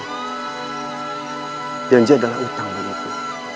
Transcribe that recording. dan janji adalah hutang bagiku